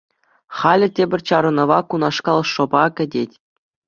Халӗ тепӗр чарӑнӑва кунашкал шӑпа кӗтет.